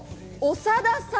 長田さん。